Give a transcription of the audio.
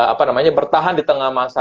apa namanya bertahan di tengah masa